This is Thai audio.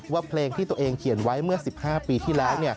เพลงที่ตัวเองเขียนไว้เมื่อ๑๕ปีที่แล้ว